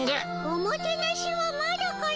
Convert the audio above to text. ・おもてなしはまだかの？